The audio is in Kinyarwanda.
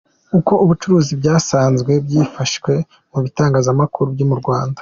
Uko ubucuruzi byasanzwe bwifashe mu bitangazamakuru byo mu Rwanda.